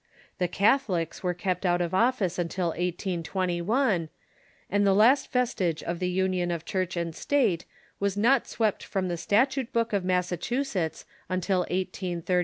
The Catholics were kept out of office till 1821, and the last vestige of the union of Church and State was not swept from the statute book of Massachusetts till 1833.